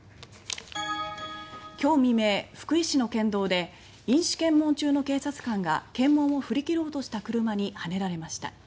今日未明、福井市の県道で飲酒検問中の警察官が検問を振り切ろうとした車にはねられました。